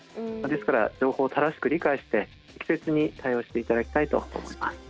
ですから情報を正しく理解して適切に対応していただきたいと思います。